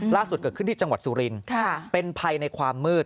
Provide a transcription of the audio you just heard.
ล่าสุดเกิดขึ้นที่จังหวัดสุรินทร์เป็นภัยในความมืด